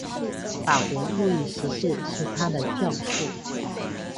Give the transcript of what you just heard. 法国路易十四是他的教父。